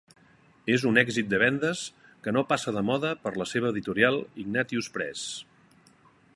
És un èxit de vendes que no passa de moda per a la seva editorial Ignatius Press.